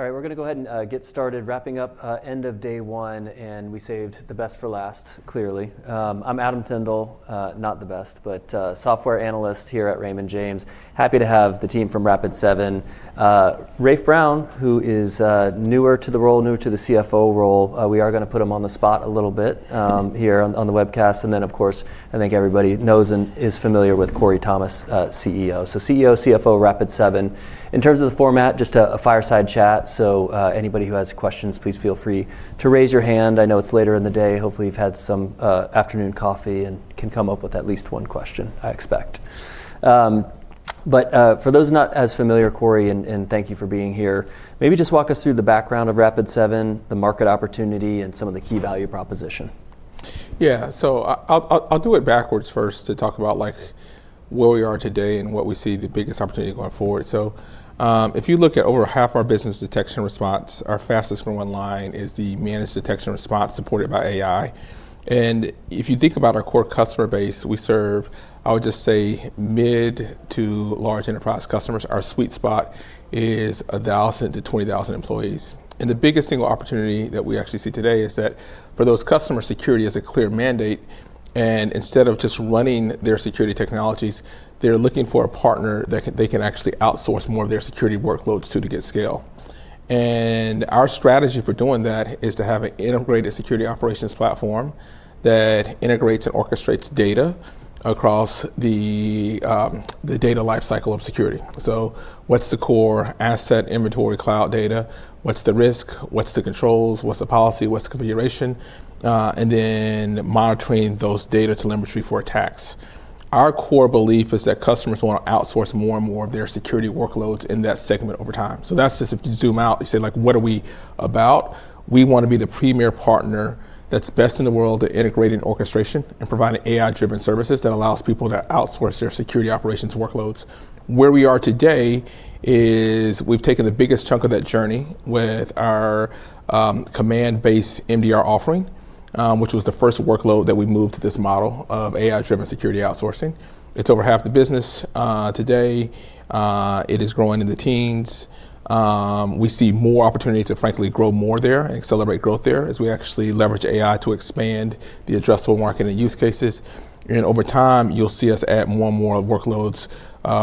All right, we're going to go ahead and get started. Wrapping up end of day one, and we saved the best for last, clearly. I'm Adam Tindle, not the best, but software analyst here at Raymond James. Happy to have the team from Rapid7. Rafe Brown, who is newer to the role, newer to the CFO role, we are going to put him on the spot a little bit here on the webcast, and then, of course, I think everybody knows and is familiar with Corey Thomas, CEO, so CEO, CFO, Rapid7. In terms of the format, just a fireside chat, so anybody who has questions, please feel free to raise your hand. I know it's later in the day. Hopefully, you've had some afternoon coffee and can come up with at least one question, I expect. But for those not as familiar, Corey, and thank you for being here, maybe just walk us through the background of Rapid7, the market opportunity, and some of the key value proposition. Yeah, so I'll do it backwards first to talk about where we are today and what we see the biggest opportunity going forward. So if you look at over half our business Detection and Response, our fastest growing line is the Managed Detection and Response supported by AI. And if you think about our core customer base, we serve, I would just say, mid to large enterprise customers. Our sweet spot is 1,000-20,000 employees. And the biggest single opportunity that we actually see today is that for those customers, security is a clear mandate. And instead of just running their security technologies, they're looking for a partner that they can actually outsource more of their security workloads to get scale. And our strategy for doing that is to have an integrated security operations platform that integrates and orchestrates data across the data lifecycle of security. So, what's the core asset inventory cloud data? What's the risk? What's the controls? What's the policy? What's the configuration? And then monitoring those data telemetry for attacks. Our core belief is that customers want to outsource more and more of their security workloads in that segment over time. So that's just if you zoom out, you say, like, what are we about? We want to be the premier partner that's best in the world at integrating orchestration and providing AI-driven services that allows people to outsource their security operations workloads. Where we are today is we've taken the biggest chunk of that journey with our Command-based MDR offering, which was the first workload that we moved to this model of AI-driven security outsourcing. It's over half the business today. It is growing in the teens. We see more opportunity to, frankly, grow more there and accelerate growth there as we actually leverage AI to expand the addressable market and use cases, and over time, you'll see us add more and more workloads.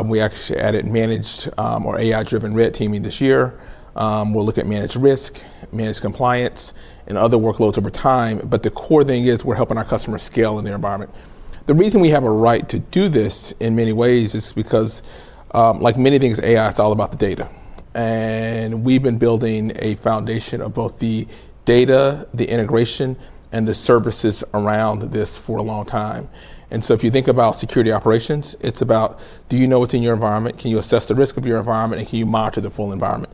We actually added managed or AI-driven Red Teaming this year. We'll look at Managed Risk, Managed Compliance, and other workloads over time, but the core thing is we're helping our customers scale in their environment. The reason we have a right to do this in many ways is because, like many things, AI, it's all about the data, and we've been building a foundation of both the data, the integration, and the services around this for a long time, and so if you think about security operations, it's about, do you know what's in your environment? Can you assess the risk of your environment? And can you monitor the full environment,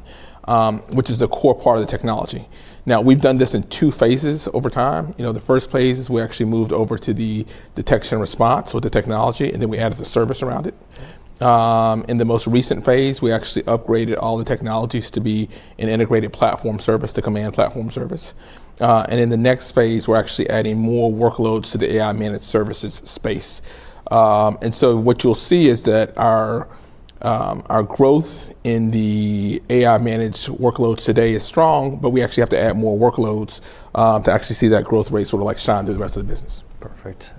which is a core part of the technology? Now, we've done this in two phases over time. The first phase is we actually moved over to the detection and response with the technology, and then we added the service around it. In the most recent phase, we actually upgraded all the technologies to be an integrated platform service to Command Platform service. And in the next phase, we're actually adding more workloads to the AI-managed services space. And so what you'll see is that our growth in the AI-managed workloads today is strong, but we actually have to add more workloads to actually see that growth rate sort of shine through the rest of the business. Perfect.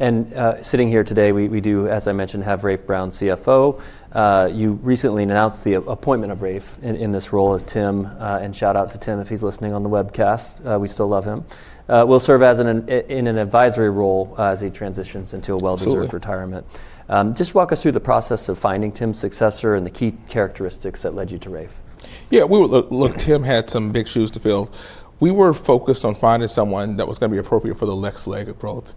And sitting here today, we do, as I mentioned, have Rafe Brown, CFO. You recently announced the appointment of Rafe in this role as Tim, and shout out to Tim if he's listening on the webcast. We still love him. He'll serve in an advisory role as he transitions into a well-deserved retirement. Just walk us through the process of finding Tim's successor and the key characteristics that led you to Rafe. Yeah, look, Tim had some big shoes to fill. We were focused on finding someone that was going to be appropriate for the leverage approach,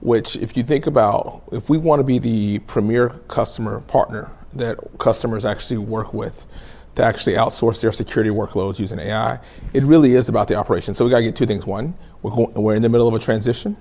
which, if you think about, if we want to be the premier customer partner that customers actually work with to actually outsource their security workloads using AI, it really is about the operation. So we've got to get two things. One, we're in the middle of a transition.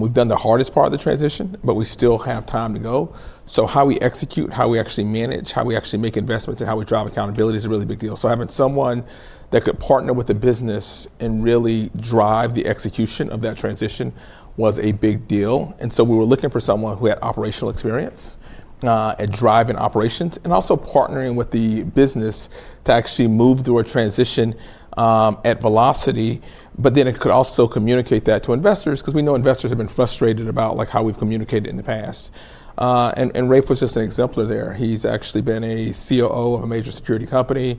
We've done the hardest part of the transition, but we still have time to go. So how we execute, how we actually manage, how we actually make investments, and how we drive accountability is a really big deal. So having someone that could partner with the business and really drive the execution of that transition was a big deal. And so we were looking for someone who had operational experience at driving operations and also partnering with the business to actually move through a transition at velocity, but then it could also communicate that to investors because we know investors have been frustrated about how we've communicated in the past. And Rafe was just an exemplar there. He's actually been a COO of a major security company.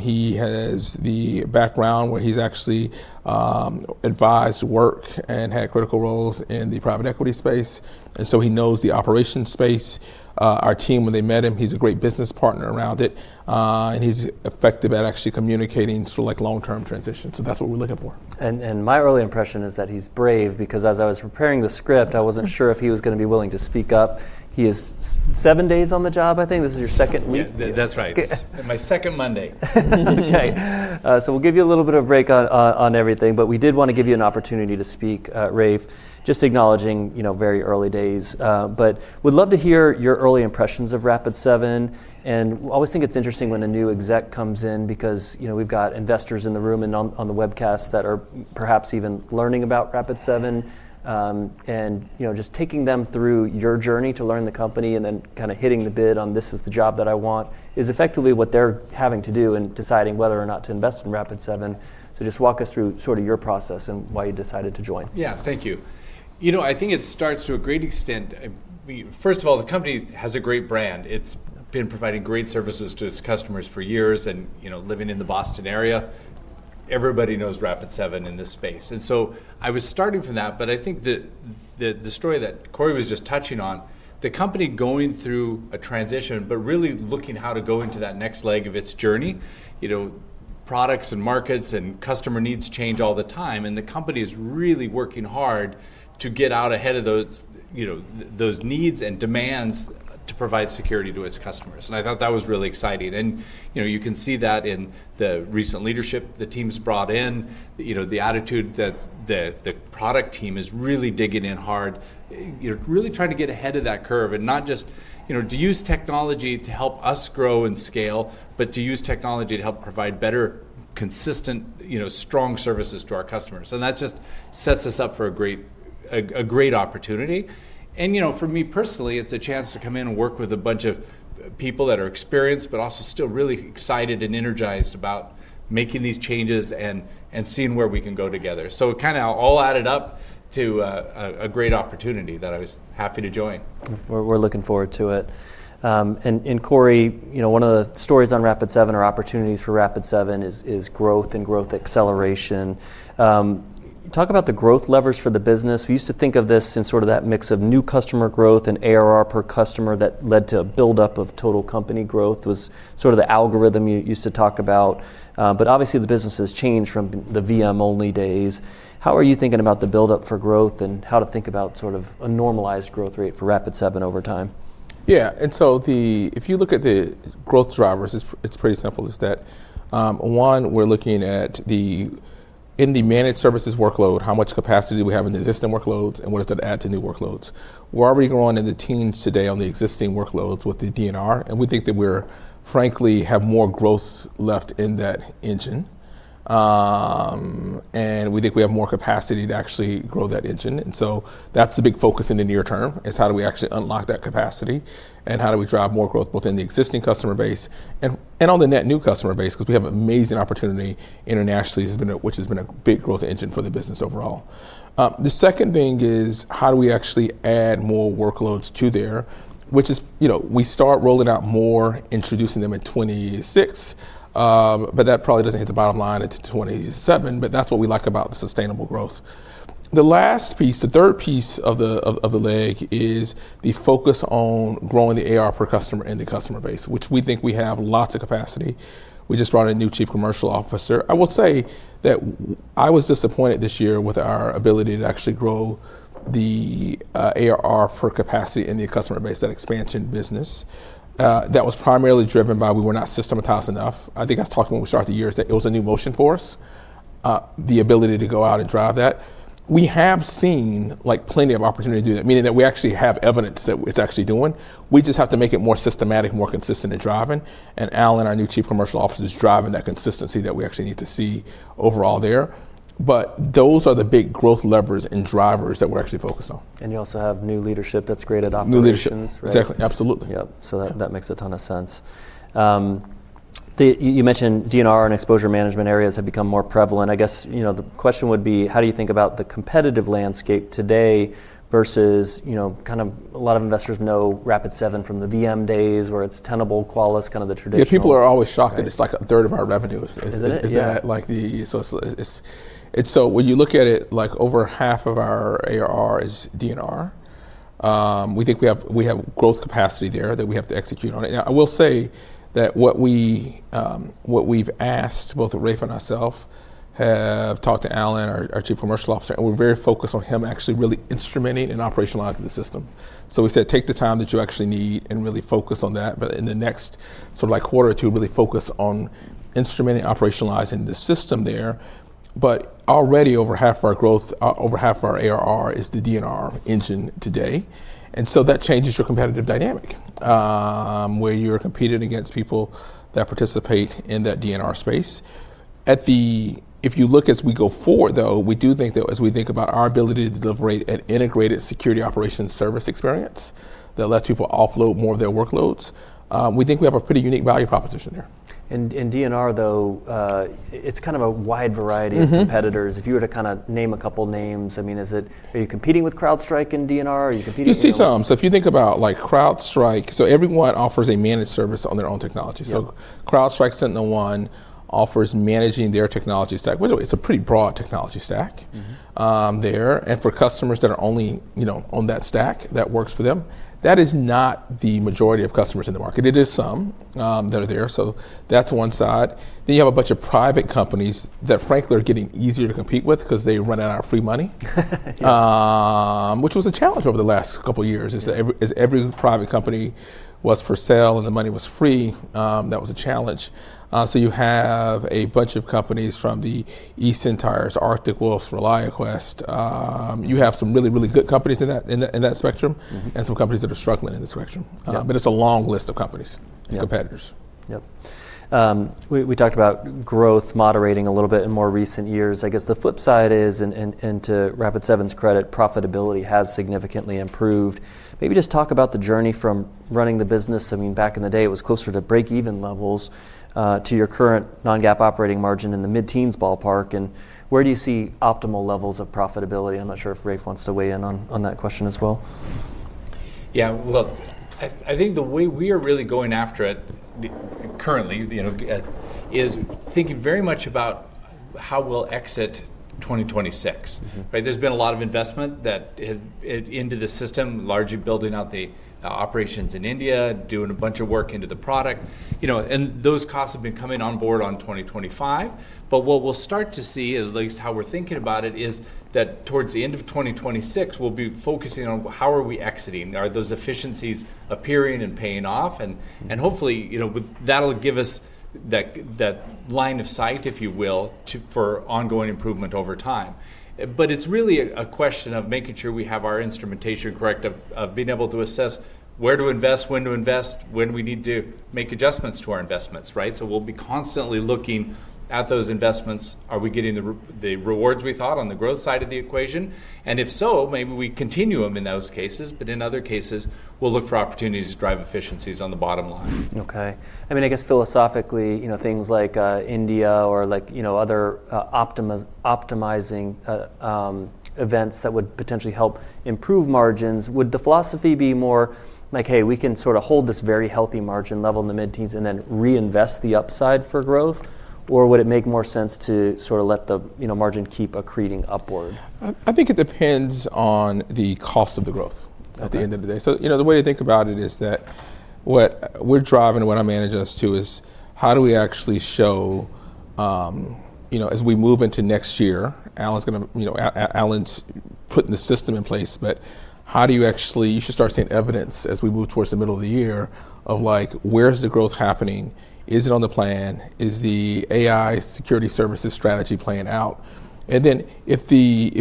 He has the background where he's actually advised, worked, and had critical roles in the private equity space. And so he knows the operations space. Our team, when they met him, he's a great business partner around it. And he's effective at actually communicating sort of long-term transitions. So that's what we're looking for. My early impression is that he's brave because as I was preparing the script, I wasn't sure if he was going to be willing to speak up. He is seven days on the job, I think. This is your second week. That's right. My second Monday. We'll give you a little bit of a break on everything. But we did want to give you an opportunity to speak, Rafe, just acknowledging very early days. But we'd love to hear your early impressions of Rapid7. And I always think it's interesting when a new exec comes in because we've got investors in the room and on the webcast that are perhaps even learning about Rapid7. And just taking them through your journey to learn the company and then kind of hitting the bid on, this is the job that I want, is effectively what they're having to do in deciding whether or not to invest in Rapid7. So just walk us through sort of your process and why you decided to join. Yeah, thank you. You know, I think it starts to a great extent. First of all, the company has a great brand. It's been providing great services to its customers for years. And living in the Boston area, everybody knows Rapid7 in this space. And so I was starting from that. But I think the story that Corey was just touching on, the company going through a transition, but really looking at how to go into that next leg of its journey. Products and markets and customer needs change all the time. And the company is really working hard to get out ahead of those needs and demands to provide security to its customers. And I thought that was really exciting. You can see that in the recent leadership the team's brought in, the attitude that the product team is really digging in hard, really trying to get ahead of that curve and not just to use technology to help us grow and scale, but to use technology to help provide better, consistent, strong services to our customers. That just sets us up for a great opportunity. For me personally, it's a chance to come in and work with a bunch of people that are experienced but also still really excited and energized about making these changes and seeing where we can go together. It kind of all added up to a great opportunity that I was happy to join. We're looking forward to it. And Corey, one of the stories on Rapid7 or opportunities for Rapid7 is growth and growth acceleration. Talk about the growth levers for the business. We used to think of this in sort of that mix of new customer growth and ARR per customer that led to a buildup of total company growth was sort of the algorithm you used to talk about. But obviously, the business has changed from the VM-only days. How are you thinking about the buildup for growth and how to think about sort of a normalized growth rate for Rapid7 over time? Yeah, and so if you look at the growth drivers, it's pretty simple. It's that, one, we're looking at the managed services workload, how much capacity do we have in the existing workloads, and what does that add to new workloads. We're already growing in the teens today on the existing workloads with the D&R. And we think that we're, frankly, have more growth left in that engine. And we think we have more capacity to actually grow that engine. And so that's the big focus in the near term is how do we actually unlock that capacity and how do we drive more growth both in the existing customer base and on the net new customer base because we have an amazing opportunity internationally, which has been a big growth engine for the business overall. The second thing is how do we actually add more workloads to there, which is we start rolling out more, introducing them in 2026, but that probably doesn't hit the bottom line at 2027. But that's what we like about the sustainable growth. The last piece, the third piece of the leg is the focus on growing the ARR per customer and the customer base, which we think we have lots of capacity. We just brought in a new Chief Commercial Officer. I will say that I was disappointed this year with our ability to actually grow the ARR per capacity and the customer base, that expansion business. That was primarily driven by we were not systematized enough. I think I was talking when we started the year that it was a new motion for us, the ability to go out and drive that. We have seen plenty of opportunity to do that, meaning that we actually have evidence that it's actually doing. We just have to make it more systematic, more consistent in driving. And Alan, our new Chief Commercial Officer, is driving that consistency that we actually need to see overall there. But those are the big growth levers and drivers that we're actually focused on. You also have new leadership that's great at operations. Exactly. Absolutely. Yep, so that makes a ton of sense. You mentioned D&R and exposure management areas have become more prevalent. I guess the question would be, how do you think about the competitive landscape today versus kind of a lot of investors know Rapid7 from the VM days where it's Tenable, Qualys, kind of the traditional. Yeah, people are always shocked that it's like a third of our revenue. Is that right? So when you look at it, over half of our ARR is D&R. We think we have growth capacity there that we have to execute on it. Now, I will say that what we've asked, both Rafe and myself, have talked to Alan, our Chief Commercial Officer, and we're very focused on him actually really instrumenting and operationalizing the system. So we said, take the time that you actually need and really focus on that. But in the next sort of quarter or two, really focus on instrumenting, operationalizing the system there. But already over half of our growth, over half of our ARR is the D&R engine today. And so that changes your competitive dynamic where you're competing against people that participate in that D&R space. If you look as we go forward, though, we do think that as we think about our ability to deliver an integrated security operations service experience that lets people offload more of their workloads, we think we have a pretty unique value proposition there. D&R, though, it's kind of a wide variety of competitors. If you were to kind of name a couple of names, I mean, are you competing with CrowdStrike in D&R? Are you competing with? You see some. So if you think about CrowdStrike, so everyone offers a managed service on their own technology. So CrowdStrike, SentinelOne offers managing their technology stack, which is a pretty broad technology stack there. And for customers that are only on that stack, that works for them. That is not the majority of customers in the market. It is some that are there. So that's one side. Then you have a bunch of private companies that, frankly, are getting easier to compete with because they run out of free money, which was a challenge over the last couple of years as every private company was for sale and the money was free. That was a challenge. So you have a bunch of companies from the eSentire, Arctic Wolf, ReliaQuest. You have some really, really good companies in that spectrum and some companies that are struggling in this direction. But it's a long list of companies, competitors. Yep. We talked about growth moderating a little bit in more recent years. I guess the flip side is, and to Rapid7's credit, profitability has significantly improved. Maybe just talk about the journey from running the business. I mean, back in the day, it was closer to break-even levels to your current non-GAAP operating margin in the mid-teens ballpark. And where do you see optimal levels of profitability? I'm not sure if Rafe wants to weigh in on that question as well. Yeah, well, I think the way we are really going after it currently is thinking very much about how we'll exit 2026. There's been a lot of investment into the system, largely building out the operations in India, doing a bunch of work into the product. And those costs have been coming on board on 2025. But what we'll start to see, at least how we're thinking about it, is that towards the end of 2026, we'll be focusing on how are we exiting? Are those efficiencies appearing and paying off? And hopefully, that'll give us that line of sight, if you will, for ongoing improvement over time. But it's really a question of making sure we have our instrumentation correct, of being able to assess where to invest, when to invest, when we need to make adjustments to our investments. So we'll be constantly looking at those investments. Are we getting the rewards we thought on the growth side of the equation? And if so, maybe we continue them in those cases. But in other cases, we'll look for opportunities to drive efficiencies on the bottom line. Okay. I mean, I guess philosophically, things like India or other optimizing events that would potentially help improve margins, would the philosophy be more like, hey, we can sort of hold this very healthy margin level in the mid-teens and then reinvest the upside for growth? Or would it make more sense to sort of let the margin keep accreting upward? I think it depends on the cost of the growth at the end of the day. So the way to think about it is that what we're driving and what I manage us to is how do we actually show as we move into next year. Alan's going to put in the system in place. But how do you actually you should start seeing evidence as we move towards the middle of the year of where's the growth happening? Is it on the plan? Is the AI security services strategy playing out? And then if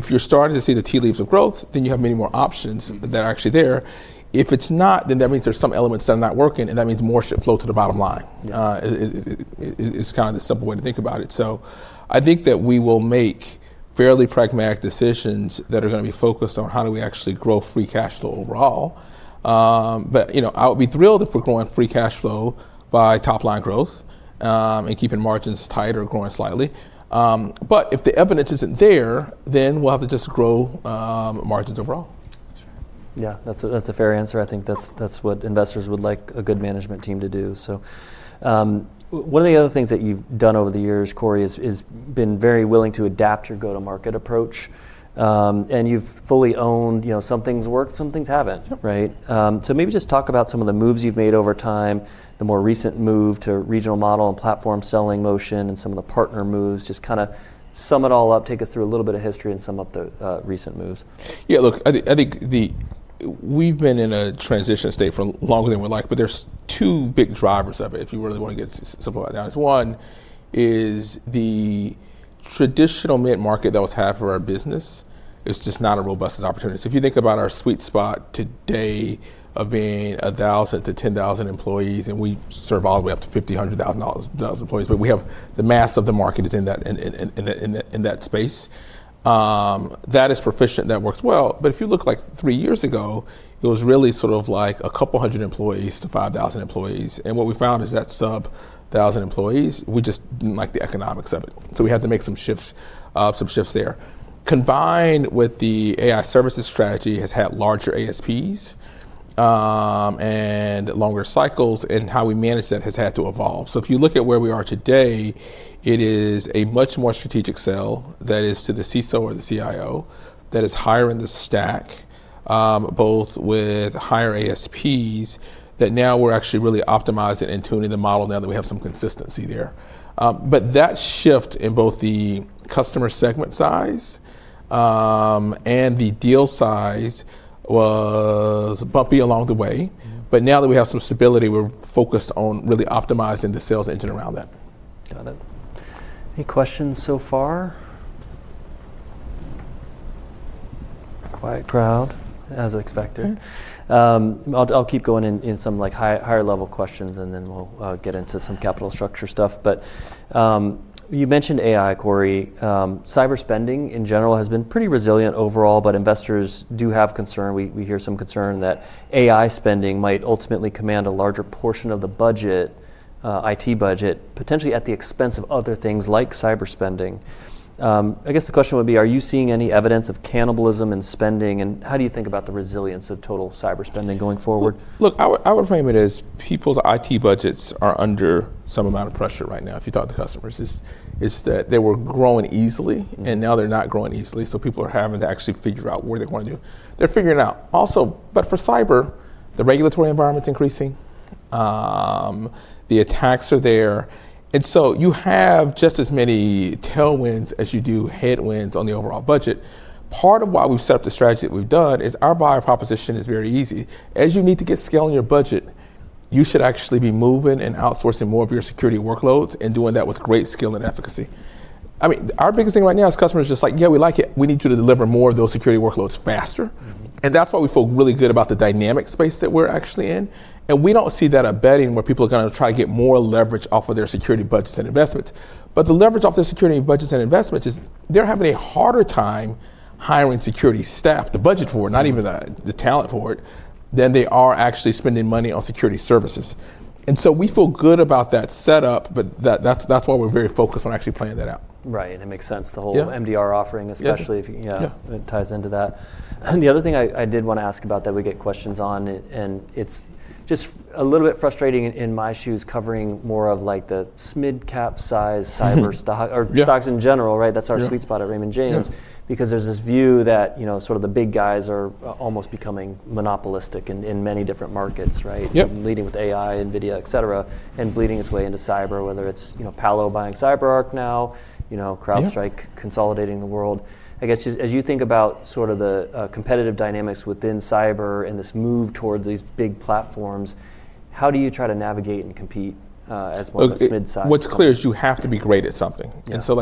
you're starting to see the tea leaves of growth, then you have many more options that are actually there. If it's not, then that means there's some elements that are not working. And that means more should flow to the bottom line is kind of the simple way to think about it. I think that we will make fairly pragmatic decisions that are going to be focused on how do we actually grow free cash flow overall. I would be thrilled if we're growing free cash flow by top-line growth and keeping margins tighter or growing slightly. If the evidence isn't there, then we'll have to just grow margins overall. Yeah, that's a fair answer. I think that's what investors would like a good management team to do. So one of the other things that you've done over the years, Corey, is been very willing to adapt your go-to-market approach. And you've fully owned some things work, some things haven't. So maybe just talk about some of the moves you've made over time, the more recent move to regional model and platform selling motion and some of the partner moves. Just kind of sum it all up, take us through a little bit of history and sum up the recent moves. Yeah, look, I think we've been in a transition state for longer than we like. But there's two big drivers of it, if you really want to get simplified down. One is the traditional mid-market that was half of our business is just not a robust opportunity. So if you think about our sweet spot today of being 1,000 employees-10,000 employees, and we serve all the way up to 50,000, 100,000 employees. But the mass of the market is in that space. That is proficient. That works well. But if you look like three years ago, it was really sort of like a couple hundred employees to 5,000 employees. And what we found is that sub 1,000 employees, we just didn't like the economics of it. So we had to make some shifts, some shifts there. Combined with the AI services strategy has had larger ASPs and longer cycles. How we manage that has had to evolve. If you look at where we are today, it is a much more strategic sell that is to the CISO or the CIO that is higher in the stack, both with higher ASPs that now we're actually really optimizing and tuning the model now that we have some consistency there. That shift in both the customer segment size and the deal size was bumpy along the way. Now that we have some stability, we're focused on really optimizing the sales engine around that. Got it. Any questions so far? Quiet crowd, as expected. I'll keep going in some higher-level questions, and then we'll get into some capital structure stuff. But you mentioned AI, Corey. Cyber spending in general has been pretty resilient overall. But investors do have concern. We hear some concern that AI spending might ultimately command a larger portion of the budget, IT budget, potentially at the expense of other things like cyber spending. I guess the question would be, are you seeing any evidence of cannibalism in spending? And how do you think about the resilience of total cyber spending going forward? Look, I would frame it as people's IT budgets are under some amount of pressure right now. If you talk to customers, it's that they were growing easily, and now they're not growing easily, so people are having to actually figure out what they want to do. They're figuring out also, but for cyber, the regulatory environment's increasing. The attacks are there, and so you have just as many tailwinds as you do headwinds on the overall budget. Part of why we've set up the strategy that we've done is our buyer proposition is very easy. As you need to get scaling your budget, you should actually be moving and outsourcing more of your security workloads and doing that with great skill and efficacy. I mean, our biggest thing right now is customers just like, yeah, we like it. We need you to deliver more of those security workloads faster. And that's why we feel really good about the dynamic space that we're actually in. And we don't see that abating where people are going to try to get more leverage off of their security budgets and investments. But the leverage off their security budgets and investments is they're having a harder time hiring security staff, the budget for it, not even the talent for it, than they are actually spending money on security services. And so we feel good about that setup. But that's why we're very focused on actually playing that out. Right. And it makes sense, the whole MDR offering, especially if it ties into that. And the other thing I did want to ask about that we get questions on, and it's just a little bit frustrating in my shoes, covering more of the mid-cap size cyber stocks in general. That's our sweet spot at Raymond James because there's this view that sort of the big guys are almost becoming monopolistic in many different markets, leading with AI, NVIDIA, et cetera, and bleeding its way into cyber, whether it's Palo buying CyberArk now, CrowdStrike consolidating the world. I guess as you think about sort of the competitive dynamics within cyber and this move towards these big platforms, how do you try to navigate and compete as one of those mid-size? What's clear is you have to be great at something. And so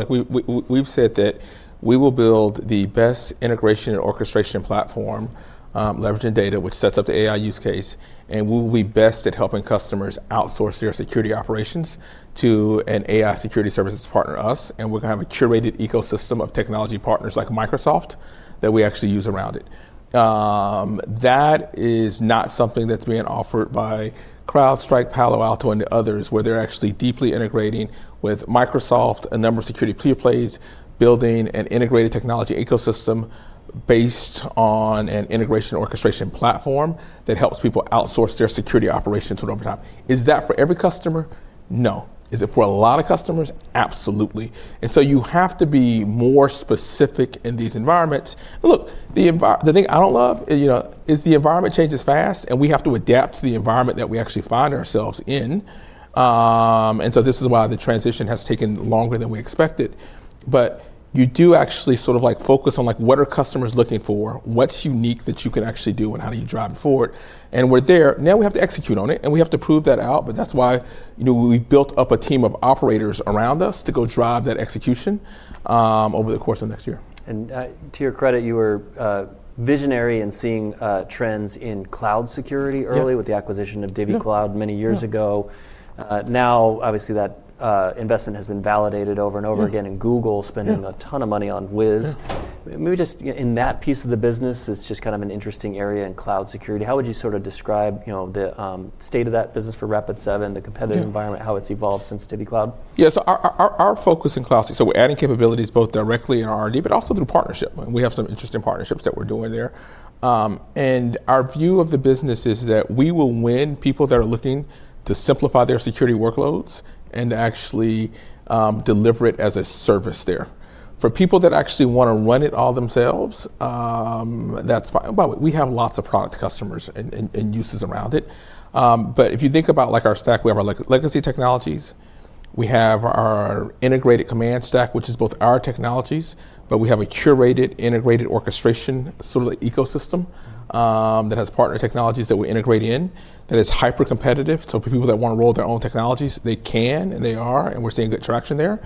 we've said that we will build the best integration and orchestration platform, leveraging data, which sets up the AI use case. And we will be best at helping customers outsource their security operations to an AI security services partner, us. And we're going to have a curated ecosystem of technology partners like Microsoft that we actually use around it. That is not something that's being offered by CrowdStrike, Palo Alto, and others where they're actually deeply integrating with Microsoft and a number of security players, building an integrated technology ecosystem based on an integration orchestration platform that helps people outsource their security operations over time. Is that for every customer? No. Is it for a lot of customers? Absolutely. And so you have to be more specific in these environments. Look, the thing I don't love is the environment changes fast, and we have to adapt to the environment that we actually find ourselves in. And so this is why the transition has taken longer than we expected. But you do actually sort of focus on what are customers looking for, what's unique that you can actually do, and how do you drive it forward. And we're there. Now we have to execute on it, and we have to prove that out. But that's why we built up a team of operators around us to go drive that execution over the course of next year. To your credit, you were visionary in seeing trends in cloud security early with the acquisition of DivvyCloud many years ago. Now, obviously, that investment has been validated over and over again in Google spending a ton of money on Wiz. Maybe just in that piece of the business, it's just kind of an interesting area in cloud security. How would you sort of describe the state of that business for Rapid7, the competitive environment, how it's evolved since DivvyCloud? Yeah, so our focus in cloud, so we're adding capabilities both directly in our R&D, but also through partnership, and we have some interesting partnerships that we're doing there, and our view of the business is that we will win people that are looking to simplify their security workloads and actually deliver it as a service there. For people that actually want to run it all themselves, that's fine, but we have lots of product customers and uses around it, but if you think about our stack, we have our legacy technologies. We have our integrated Command stack, which is both our technologies, but we have a curated integrated orchestration sort of ecosystem that has partner technologies that we integrate in that is hyper-competitive, so for people that want to roll their own technologies, they can, and they are, and we're seeing good traction there.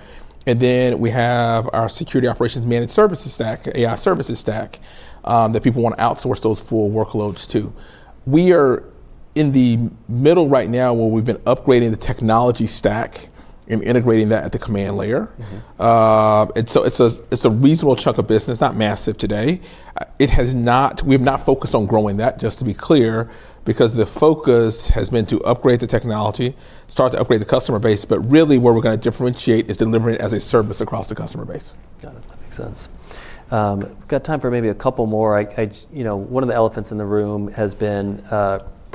And then we have our security operations managed services stack, AI services stack that people want to outsource those full workloads to. We are in the middle right now where we've been upgrading the technology stack and integrating that at the Command layer. And so it's a reasonable chunk of business, not massive today. We have not focused on growing that, just to be clear, because the focus has been to upgrade the technology, start to upgrade the customer base. But really, where we're going to differentiate is delivering it as a service across the customer base. Got it. That makes sense. We've got time for maybe a couple more. One of the elephants in the room has been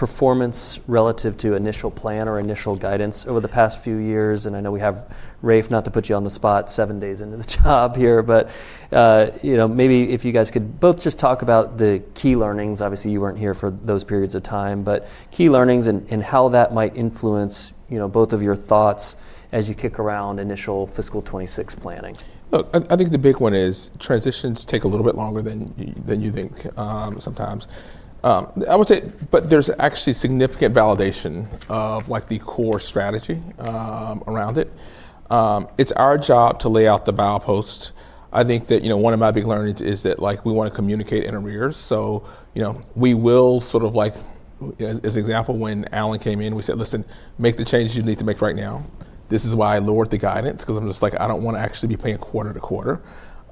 performance relative to initial plan or initial guidance over the past few years, and I know we have Rafe, not to put you on the spot, seven days into the job here, but maybe if you guys could both just talk about the key learnings. Obviously, you weren't here for those periods of time, but key learnings and how that might influence both of your thoughts as you kick around initial fiscal 2026 planning. I think the big one is transitions take a little bit longer than you think sometimes. I would say, but there's actually significant validation of the core strategy around it. It's our job to lay out the goalpost. I think that one of my big learnings is that we want to communicate in the interim. So we will sort of, as an example, when Alan came in, we said, listen, make the changes you need to make right now. This is why I lowered the guidance because I'm just like, I don't want to actually be playing quarter to quarter.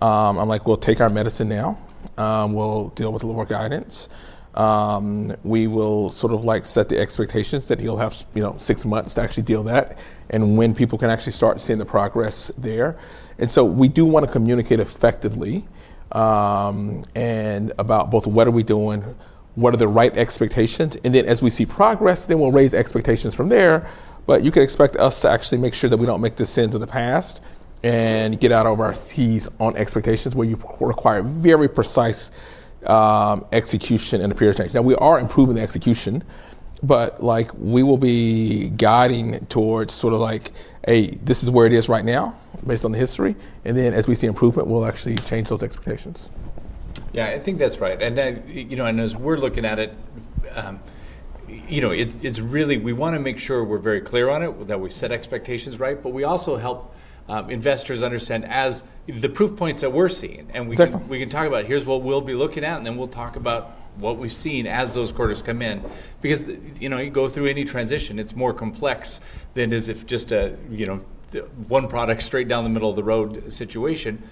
I'm like, we'll take our medicine now. We'll deal with lower guidance. We will sort of set the expectations that he'll have six months to actually deal with that and when people can actually start seeing the progress there. And so we do want to communicate effectively about both what are we doing, what are the right expectations. And then as we see progress, then we'll raise expectations from there. But you can expect us to actually make sure that we don't make the sins of the past and get out over our skis on expectations where you require very precise execution and adherence. Now, we are improving the execution. But we will be guiding towards sort of like, hey, this is where it is right now based on the history. And then as we see improvement, we'll actually change those expectations. Yeah, I think that's right. And I know as we're looking at it, it's really we want to make sure we're very clear on it that we set expectations right. But we also help investors understand the proof points that we're seeing. And we can talk about here's what we'll be looking at. And then we'll talk about what we've seen as those quarters come in. Because you go through any transition, it's more complex than is if just one product straight down the middle of the road situation.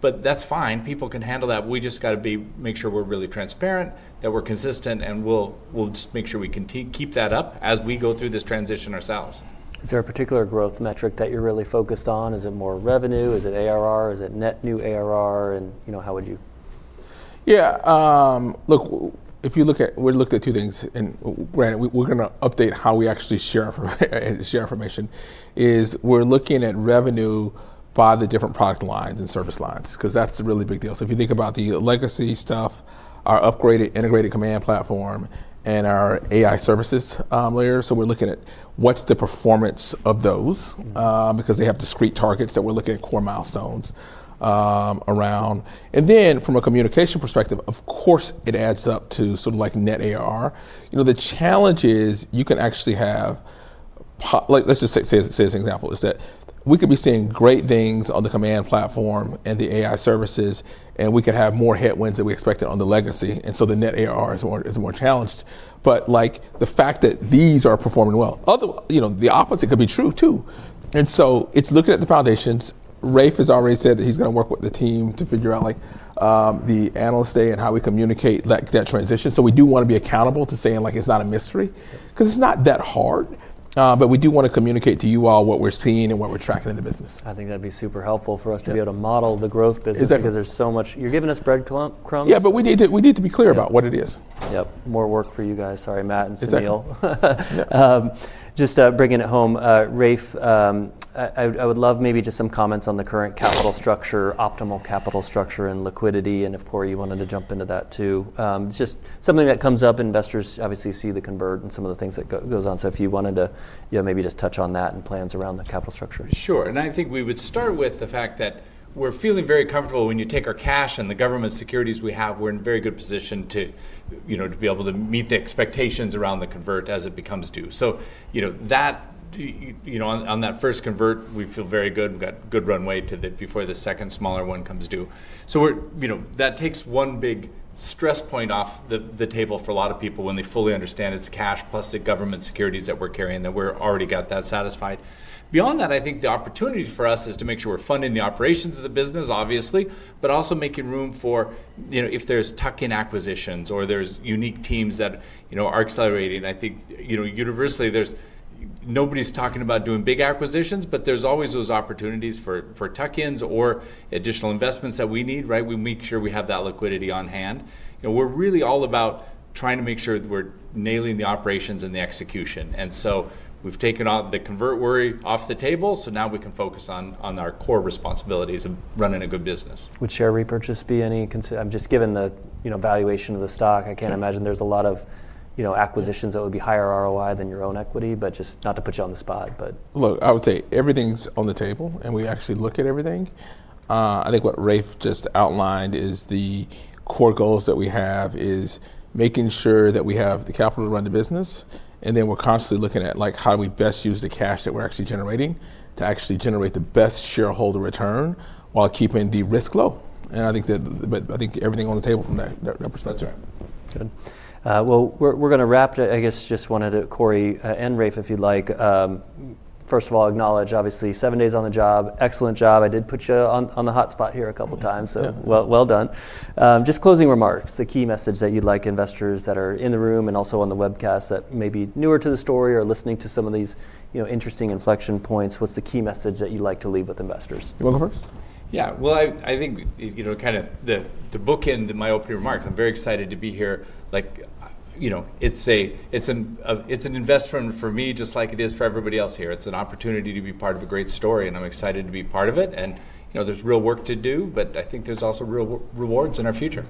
But that's fine. People can handle that. We just got to make sure we're really transparent, that we're consistent. And we'll just make sure we can keep that up as we go through this transition ourselves. Is there a particular growth metric that you're really focused on? Is it more revenue? Is it ARR? Is it net new ARR? And how would you? Yeah. Look, if you look at we looked at two things, and we're going to update how we actually share information is we're looking at revenue by the different product lines and service lines because that's a really big deal. So if you think about the legacy stuff, our upgraded integrated Command Platform, and our AI services layer. So we're looking at what's the performance of those because they have discrete targets that we're looking at core milestones around. And then from a communication perspective, of course, it adds up to sort of like net ARR. The challenge is you can actually have let's just say as an example is that we could be seeing great things on the Command Platform and the AI services. And we could have more headwinds than we expected on the legacy. And so the net ARR is more challenged. But the fact that these are performing well, the opposite could be true too. And so it's looking at the foundations. Rafe has already said that he's going to work with the team to figure out the analyst day and how we communicate that transition. So we do want to be accountable to saying it's not a mystery because it's not that hard. But we do want to communicate to you all what we're seeing and what we're tracking in the business. I think that'd be super helpful for us to be able to model the growth business because there's so much you're giving us breadcrumbs. Yeah, but we need to be clear about what it is. Yep. More work for you guys. Sorry, Matt and Sunil. Just bringing it home. Rafe, I would love maybe just some comments on the current capital structure, optimal capital structure, and liquidity. And if Corey wanted to jump into that too. Just something that comes up. Investors obviously see the convert and some of the things that go on. So if you wanted to maybe just touch on that and plans around the capital structure. Sure. And I think we would start with the fact that we're feeling very comfortable when you take our cash and the government securities we have. We're in a very good position to be able to meet the expectations around the convert as it becomes due. So on that first convert, we feel very good. We've got good runway to before the second smaller one comes due. So that takes one big stress point off the table for a lot of people when they fully understand it's cash plus the government securities that we're carrying that we're already got that satisfied. Beyond that, I think the opportunity for us is to make sure we're funding the operations of the business, obviously, but also making room for if there's tuck-in acquisitions or there's unique teams that are accelerating. I think universally there's nobody's talking about doing big acquisitions, but there's always those opportunities for tuck-ins or additional investments that we need. We make sure we have that liquidity on hand. We're really all about trying to make sure that we're nailing the operations and the execution, and so we've taken out the convert worry off the table, so now we can focus on our core responsibilities and running a good business. Would share repurchase be any? I'm just, given the valuation of the stock. I can't imagine there's a lot of acquisitions that would be higher ROI than your own equity, but just not to put you on the spot. Look, I would say everything's on the table. And we actually look at everything. I think what Rafe just outlined is the core goals that we have is making sure that we have the capital to run the business. And then we're constantly looking at how do we best use the cash that we're actually generating to actually generate the best shareholder return while keeping the risk low. And I think everything on the table from that perspective is right. Good. Well, we're going to wrap it. I guess just wanted to, Corey and Rafe, if you'd like, first of all, acknowledge, obviously, seven days on the job. Excellent job. I did put you on the hot spot here a couple of times. So well done. Just closing remarks, the key message that you'd like investors that are in the room and also on the webcast that may be newer to the story or listening to some of these interesting inflection points, what's the key message that you'd like to leave with investors? You want to go first? Yeah. Well, I think kind of to bookend my opening remarks, I'm very excited to be here. It's an investment for me just like it is for everybody else here. It's an opportunity to be part of a great story. And I'm excited to be part of it. And there's real work to do. But I think there's also real rewards in our future.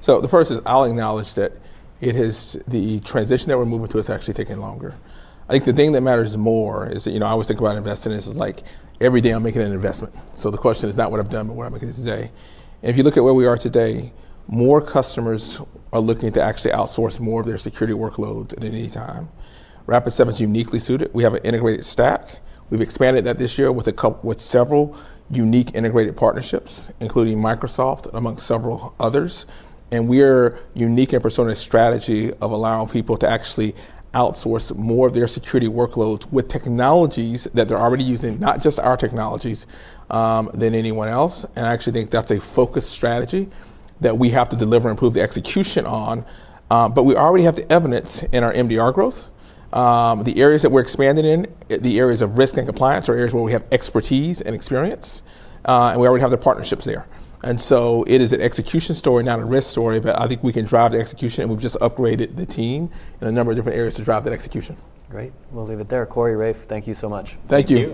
So the first is, I'll acknowledge that the transition that we're moving to has actually taken longer. I think the thing that matters more is I always think about investing as every day I'm making an investment. So the question is not what I've done, but what I'm making today. And if you look at where we are today, more customers are looking to actually outsource more of their security workloads than at any time. Rapid7 is uniquely suited. We have an integrated stack. We've expanded that this year with several unique integrated partnerships, including Microsoft among several others. And we are unique in persona strategy of allowing people to actually outsource more of their security workloads with technologies that they're already using, not just our technologies than anyone else. And I actually think that's a focused strategy that we have to deliver and improve the execution on. But we already have the evidence in our MDR growth. The areas that we're expanding in, the areas of risk and compliance are areas where we have expertise and experience. And we already have the partnerships there. And so it is an execution story, not a risk story. But I think we can drive the execution. And we've just upgraded the team in a number of different areas to drive that execution. Great. We'll leave it there. Corey, Rafe, thank you so much. Thank you.